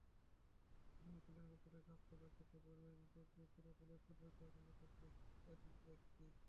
Swimming পুলের ভেতরের গাছপালা কেটে পরিবেশ বিপর্যয় করে, পুলের সৌন্দর্যহানি ঘটাচ্ছে এনএসসি।